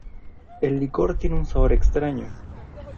El licor tiene un sabor extraño.